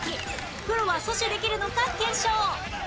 プロは阻止できるのか検証